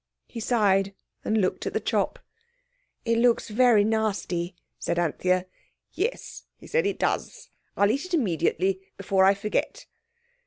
He sighed, and looked at the chop. "It looks very nasty," said Anthea. "Yes," he said, "it does. I'll eat it immediately, before I forget."